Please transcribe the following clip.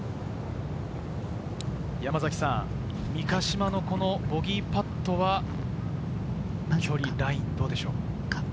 三ヶ島のボギーパットは距離、ライン、どうでしょうか。